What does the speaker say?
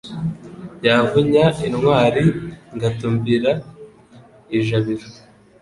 Yavunya intwari ngatumbira i Jabiro.